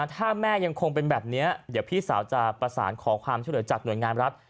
ถ้าแม่ยังคงเป็นแบบนี้เดี๋ยวพี่สาวจะประสานขอความช่วยเหลือจากหน่วยงานรัฐ